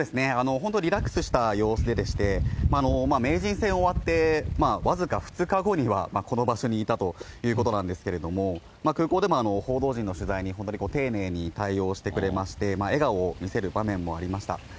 本当リラックスした様子ででして、名人戦終わって、僅か２日後には、この場所にいたということなんですけれども、空港でも報道陣の取材に本当に丁寧に対応してくれまして、笑顔を見せる場面もありました。